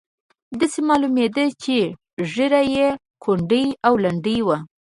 داسې معلومېده چې ږیره یې کونډۍ او لنډۍ وه.